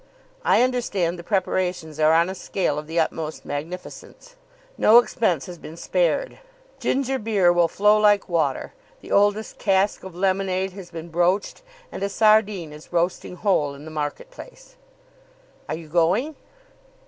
I understand the preparations are on a scale of the utmost magnificence. No expense has been spared. Ginger beer will flow like water. The oldest cask of lemonade has been broached; and a sardine is roasting whole in the market place." "Are you going?"